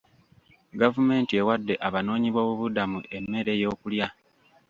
Gavumenti ewadde abanoonyi b'obubudamu emmere ey'okulya.